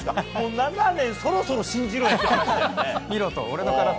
７年、そろそろ信じろやと。